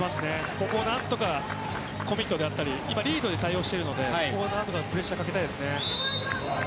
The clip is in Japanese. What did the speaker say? ここを何とかコミットだったり今、リードで対応しているのでここをプレッシャーかけたいですね。